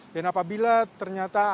dan apabila ternyata ada